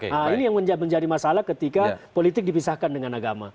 nah ini yang menjadi masalah ketika politik dipisahkan dengan agama